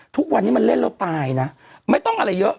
ทุกวันนี้มันเล่นแล้วตายนะไม่ต้องอะไรเยอะ